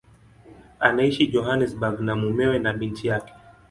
Anaishi Johannesburg na mumewe na binti yake.